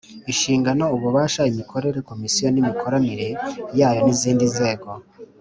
Inshingano ububasha imikorere ya Komisiyo n imikoranire yayo n izindi nzego